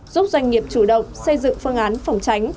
giúp doanh nghiệp chủ động xây dựng phương án phòng tránh